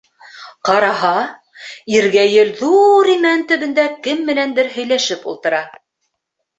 Ҡараһа, Иргәйел ҙур имән төбөндә кем менәндер һөйләшеп ултыра.